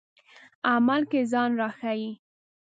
عمل کې ځان راښيي.